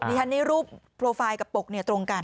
นี่ฮันนี่รูปโปรไฟล์กับปกตรงกัน